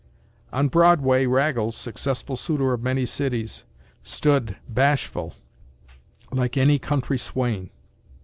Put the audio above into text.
On Broadway Raggles, successful suitor of many cities, stood, bashful, like any country swain.